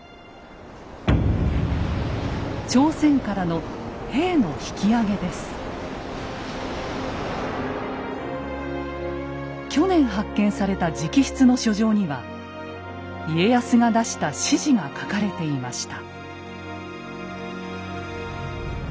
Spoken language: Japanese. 朝鮮からの去年発見された直筆の書状には家康が出した指示が書かれていました。